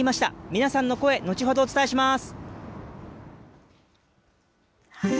皆さんの声、後ほどお伝えします。